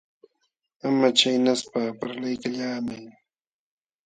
Ama chaynaspa, parlaykallaamay.